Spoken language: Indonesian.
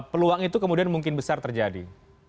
peluang itu kemudian mungkin besar terjadi